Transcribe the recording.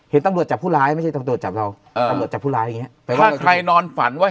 เห็นตำรวจจับผู้ร้ายไม่ใช่ตำรวจจับเราจับผู้ร้ายนอนฝันว่า